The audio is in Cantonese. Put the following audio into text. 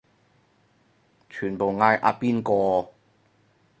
全部嗌阿邊個